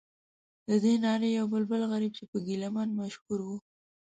ددې نارې یو بلبل غریب چې په ګیله من مشهور و.